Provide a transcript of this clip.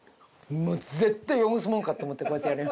もう絶対汚すもんかって思ってこうやってやる。